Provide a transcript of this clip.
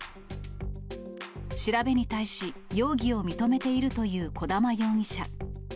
調べに対し、容疑を認めているという児玉容疑者。